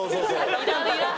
いらんいらん。